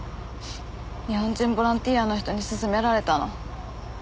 日本人ボランティアの人に勧められたの。